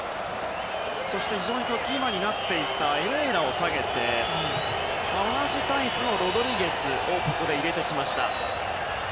そして非常にキーマンになっていたエレーラを下げて同じタイプのロドリゲスを入れてきました。